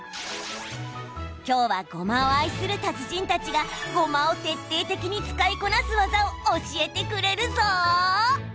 今日はごまを愛する達人たちがごまを徹底的に使いこなす技を教えてくれるぞ！